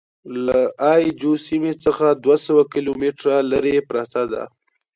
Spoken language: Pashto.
له اي جو سیمې څخه دوه سوه کیلومتره لرې پرته ده.